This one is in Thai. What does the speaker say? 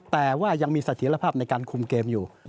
แต่ว่ายังมีเสถียรภาพในการคุมเกมอยู่